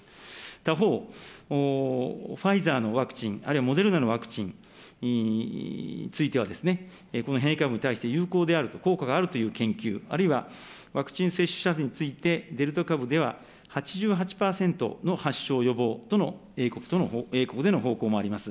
他方、ファイザーのワクチン、あるいはモデルナのワクチンについては、この変異株に対して有効であると、効果があるという研究、あるいはワクチン接種者について、デルタ株では８８％の発症予防との、英国での報告もあります。